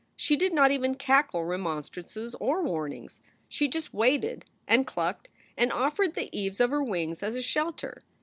She did not even cackle remon strances or warnings. She just waited and clucked and offered the eaves of her wings as a shelter.